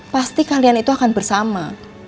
pasti kalian itu akan bersama